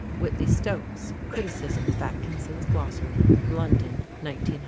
Whitley Stokes: Criticism of Atkinson's Glossary (London, 1903); R.